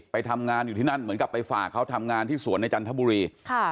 ไปทำงานอยู่ที่นั่นเหมือนกับไปฝากเขาทำงานที่สวนในจันทบุรี